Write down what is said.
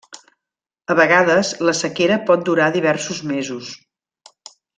A vegades, la sequera pot durar diversos mesos.